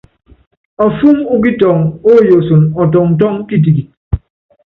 Ɔfɔ́ɔm ú kitɔŋ óyooson ɔtɔŋtɔ́ŋ kitikit.